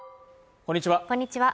こんにちは